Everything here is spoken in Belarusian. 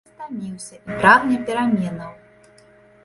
Ён стаміўся і прагне пераменаў.